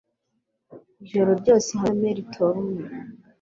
ijoro ryose hamwe na Mel Torme